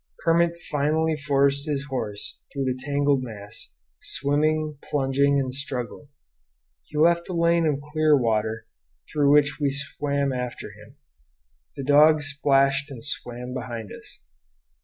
Kermit finally forced his horse through the tangled mass, swimming, plunging, and struggling. He left a lane of clear water, through which we swam after him. The dogs splashed and swam behind us.